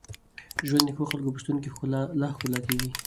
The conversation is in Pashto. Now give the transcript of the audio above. ژوند د ښو خلکو په شتون کي لا ښکلی کېږي.